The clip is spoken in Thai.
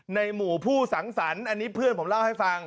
ในหมู่ผู้สังสรรค์อันนี้เพื่อนผมเล่าให้ฟัง